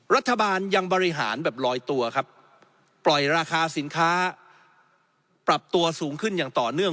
รัฐบาลยังบริหารแบบลอยตัวครับปล่อยราคาสินค้าปรับตัวสูงขึ้นอย่างต่อเนื่อง